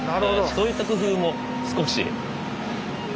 そういった工夫も少し。